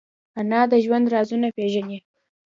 انا د ژوند رازونه پېژني